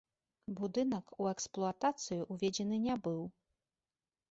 Будынак у эксплуатацыю ўведзены не быў.